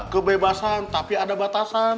kebebasan tapi ada batasan